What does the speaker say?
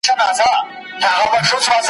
چي د ښار په منځ کی پاته لا پوهان وي `